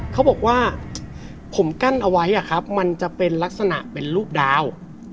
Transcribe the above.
เขาบอกว่าผมกั้นเอาไว้มันจะเป็นลักษณะเป็นรูปดาว